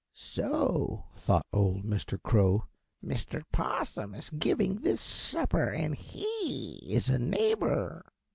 "So," thought old Mr. Crow, "Mr. Possum is giving this supper and he is a neighbor."